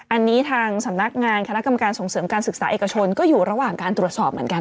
อันนี้ทางสำนักงานคณะกรรมการส่งเสริมการศึกษาเอกชนก็อยู่ระหว่างการตรวจสอบเหมือนกัน